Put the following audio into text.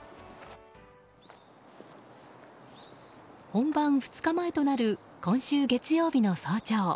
本番２日前となる今週月曜日の早朝。